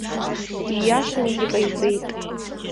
Ииашангьы иҟаиҵеит.